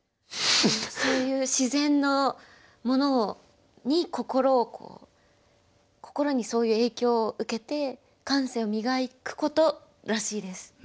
そういう自然のものに心を心にそういう影響を受けて感性を磨くことらしいです。